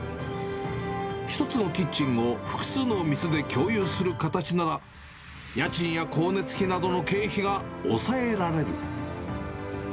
１つのキッチンを複数の店で共有する形なら、家賃や光熱費などの経費が抑えられる。